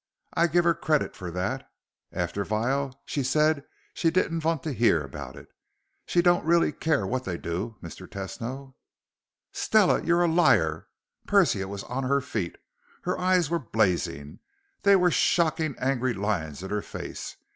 I give her credit for that. After vile, she said she didn't vant to hear about it. She don't really care what they do, Mr. Tesno." "Stella, you liar!" Persia was on her feet. Her eyes were blazing. There were shocking angry lines in her face.